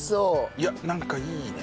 いやなんかいいね。